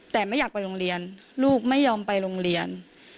แต่ไม่อยากไปโรงเรียนลูกไม่ยอมไปโรงเรียน